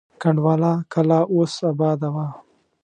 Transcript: کنډواله کلا اوس اباده وه.